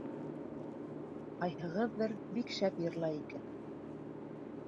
- Ҡайһығыҙҙыр бик шәп йырлай икән.